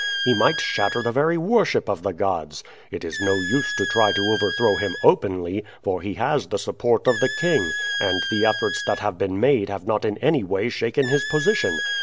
He might shatter the very worship of the gods. It is no use to try to overthrow him openly; for he has the support of the king, and the efforts that have been made have not in any way shaken his position.